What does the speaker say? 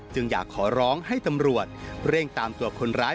จึงอยากขอร้องให้ตำรวจเร่งตามตัวคนร้าย